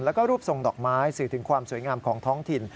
แล้วก็รูปทรงดอกไม้สื่อถึงความสวยงามของท้องถิ่น